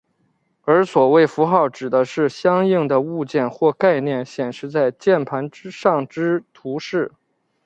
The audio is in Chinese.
而所谓符号指的是相应的物件或概念显示在键盘上之图示。